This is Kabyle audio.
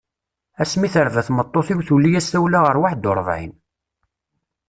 Ass mi terba tmeṭṭut-iw tuli-as tawla ɣer waḥed u ṛebɛin.